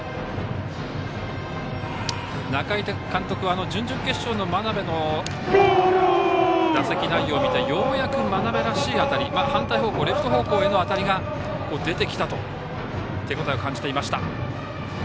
中井監督は準々決勝の真鍋の打席内容を見てようやく真鍋らしい当たり反対方向レフト方向への当たりが出てきたと手応えを感じていました。